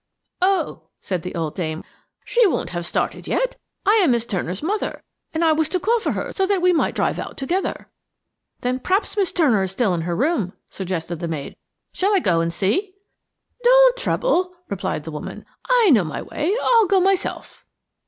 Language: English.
"Oh!" said the old dame, "she won't have started yet. I am Miss Turner's mother, and I was to call for her so that we might drive out together." "Then p'r'aps Miss Turner is still in her room," suggested the maid. "Shall I go and see?" "Don't trouble," replied the woman; "I know my way. I'll go myself."